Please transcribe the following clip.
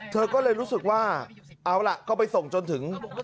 เธอก็เลยรู้สึกว่าเอาล่ะก็ไปส่งจนถึง